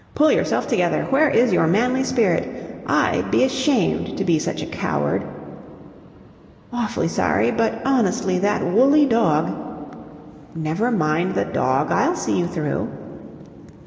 "Pull yourself together. Where is your manly spirit? I'd be ashamed to be such a coward." "Awfully sorry, but, honestly, that woolly dog..." "Never mind the dog. I'll see you through."